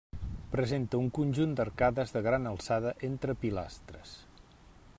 Presenta un conjunt d'arcades de gran alçada entre pilastres.